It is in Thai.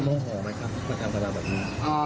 มองห่อไหมครับมาทำขนาดแบบนี้